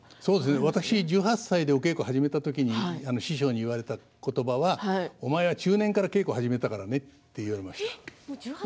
私は１８歳でお稽古を始めた時に師匠に言われた言葉はお前は中年から稽古を始めたからねと言われました。